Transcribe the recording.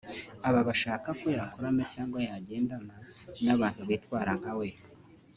Aba ashaka ko yakorana cyangwa yagendana n’abantu bitwara nka we